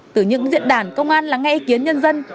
từ những diễn đàn công an lắng nghe ý kiến nhân dân